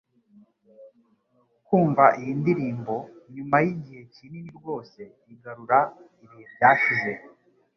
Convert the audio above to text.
Kumva iyi ndirimbo nyuma yigihe kinini rwose igarura ibihe byashize